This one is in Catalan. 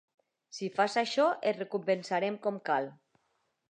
Si fas això, et recompensarem com cal.